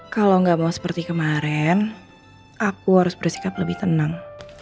kalau nggak mau seperti kemarin aku harus bersikap lebih tenang